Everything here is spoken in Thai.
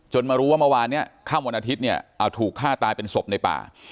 มารู้ว่าเมื่อวานนี้ค่ำวันอาทิตย์เนี่ยเอาถูกฆ่าตายเป็นศพในป่า